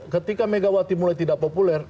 ketika megawati mulai tidak populer